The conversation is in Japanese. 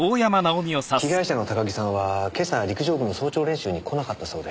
被害者の高木さんは今朝陸上部の早朝練習に来なかったそうで。